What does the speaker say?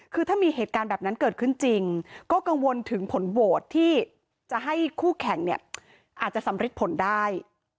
คือถ้ามีเหตุการณ์แบบนั้นเกิดขึ้นจริงก็กังวลถึงผลโหวตที่จะให้คู่แข่งเนี่ยอาจจะสำริดผลได้